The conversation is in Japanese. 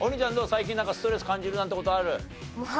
最近なんかストレス感じるなんて事ある？